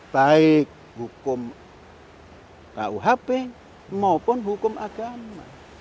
baik hukum auhb maupun hukum agama